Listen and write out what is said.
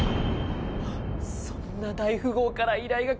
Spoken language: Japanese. そんな大富豪から依頼が来るなんて